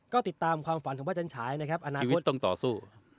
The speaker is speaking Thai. ก็ติดตามความฝันของพระอาจารย์ฉายนะครับอนาคตต้องต่อสู้